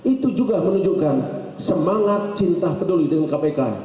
itu juga menunjukkan semangat cinta peduli dengan kpk